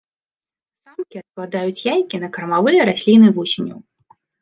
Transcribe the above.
Самкі адкладаюць яйкі на кармавыя расліны вусеняў.